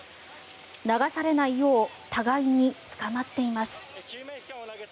流されないよう互いにつかまっています。